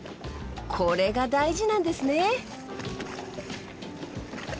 これが大事なんですね。